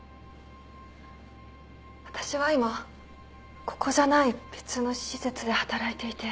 私は今ここじゃない別の施設で働いていて。